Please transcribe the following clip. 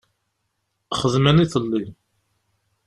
Xedmen iḍelli